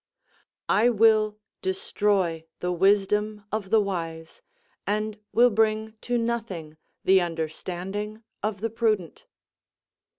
_ "I will destroy the wisdom of the wise, and will bring to nothing the understanding of the prudent."